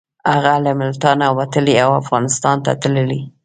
هغه له ملتانه وتلی او افغانستان ته تللی.